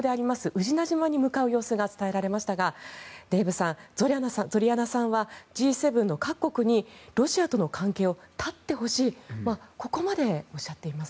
宇品島に向かう様子が伝えられましたがデーブさん、ゾリャナさんはＧ７の各国にロシアとの関係を断ってほしいとそこまでおっしゃっています。